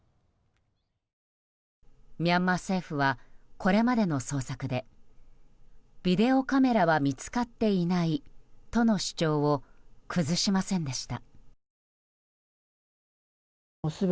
ミャンマー政府はこれまでの捜索でビデオカメラは見つかっていないとの主張を崩しませんでした。